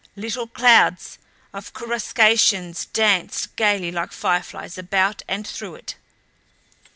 Little clouds of coruscations danced gaily like fireflies about and through it.